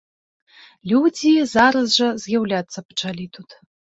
Людзі зараз жа з'яўляцца пачалі тут.